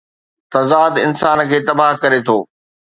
تضاد انسان کي تباهه ڪري ٿو.